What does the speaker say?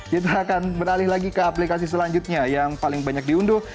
kita akan beralih lagi ke aplikasi selanjutnya yang paling banyak diunduh